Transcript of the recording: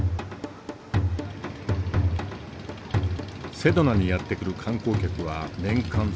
セドナにやって来る観光客は年間３００万人。